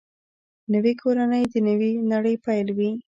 نوې کورنۍ د نوې نړۍ پیل وي